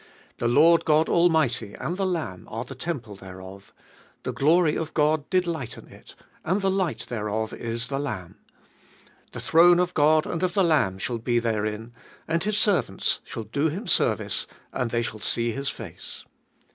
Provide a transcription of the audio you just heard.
The Lord God Almighty, and the Lamb are the temple thereof. The glory of God did lighten it, and the light thereof is the Lamb. The throne of God and of the Lamb shall be therein ; and His servants shall do Him service ; and they shall see His face.